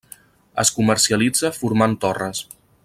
Es comercialitza formant torres.